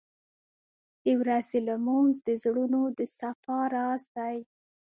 • د ورځې لمونځ د زړونو د صفا راز دی.